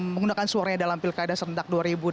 menggunakan suara dalam pilkada serentak dua ribu delapan belas